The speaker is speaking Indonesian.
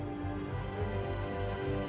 gue juga sayang banget sama keisha